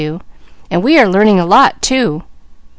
And we are learning a lot too!